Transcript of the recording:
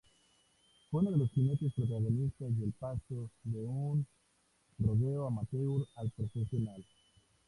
Fue uno de los jinetes protagonistas del paso de un rodeo amateur al profesional.